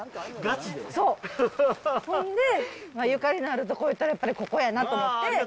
そう、ほんでゆかりのある所いうたらやっぱり、ここやなと思って。